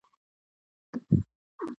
غول د اعصابو حالت اغېزمنوي.